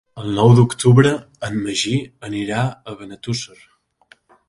El nou d'octubre en Magí anirà a Benetússer.